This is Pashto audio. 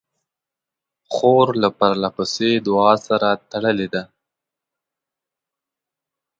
خور له پرله پسې دعا سره تړلې ده.